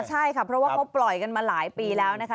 ใช่ค่ะเพราะว่าเขาปล่อยกันมาหลายปีแล้วนะคะ